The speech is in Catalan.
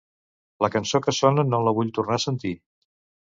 La cançó que sona no la vull tornar a sentir.